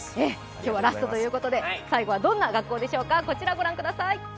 今日はラストということで最後、どんな学校でしょうか。